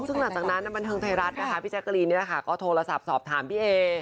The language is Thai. แล้วตั้งนั้นน้ำบันเทิงไทยรัฐพี่แจ๊คกะรีนก็โทรโทรศัพท์สอบถามพี่เอ๋